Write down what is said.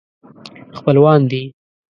خپلوان دي.